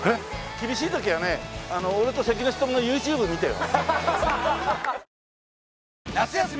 厳しい時はね俺と関根勤のＹｏｕＴｕｂｅ見てよ。